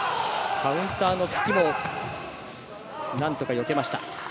カウンターの突きも何とかよけました。